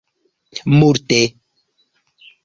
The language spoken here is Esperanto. multe